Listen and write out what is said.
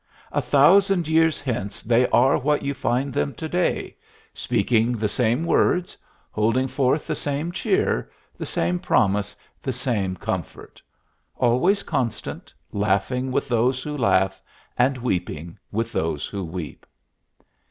A thousand years hence they are what you find them to day, speaking the same words, holding forth the same cheer, the same promise, the same comfort; always constant, laughing with those who laugh and weeping with those who weep.